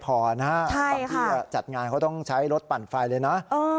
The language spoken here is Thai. บางที่จัดงานเขาต้องใช้รถปั่นไฟเลยนะ